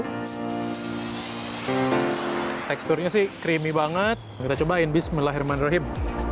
hai teksturnya sih krimibanget ini cobain bismillahirrahmanirrahim